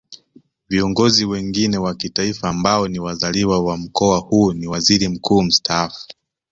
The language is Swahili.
Viongozi wengine wa Kitaifa ambao ni wazaliwa wa Mkoa huu ni Waziri Mkuu Mstaafu